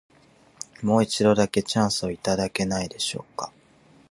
もう一度だけ、チャンスをいただけないでしょうか。